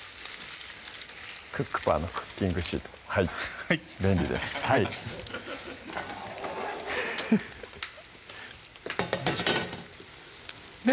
「クックパー」のクッキングシートはい便利ですで